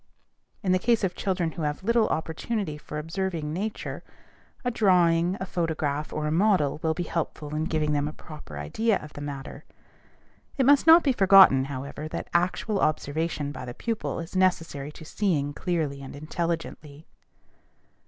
In the case of children who have little opportunity for observing nature, a drawing, a photograph, or a model will be helpful in giving them a proper idea of the matter. It must not be forgotten, however, that actual observation by the pupil is necessary to seeing clearly and intelligently.